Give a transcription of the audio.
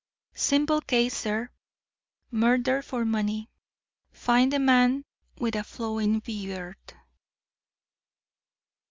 "Simple case, sir. Murdered for money. Find the man with a flowing beard."